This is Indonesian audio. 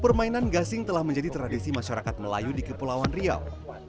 permainan gasing telah menjadi tradisi masyarakat melayu di kepulauan riau